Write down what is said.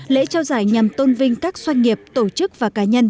lễ trao giải nhằm tôn vinh các doanh nghiệp tổ chức và cá nhân